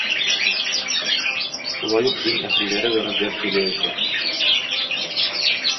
Шулай ук дин әһелләре вәгазьләр сөйләячәк.